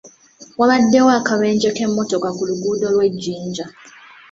Waabaddewo akabenje k'emmotoka ku luguudo lw'e Jinja.